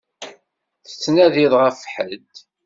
Tettnadiḍ ɣef ḥedd?